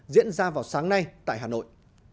diễn ra vào sáng nay tại hà nội